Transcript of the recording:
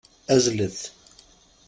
Azzlet.